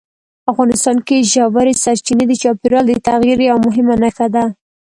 افغانستان کې ژورې سرچینې د چاپېریال د تغیر یوه مهمه نښه ده.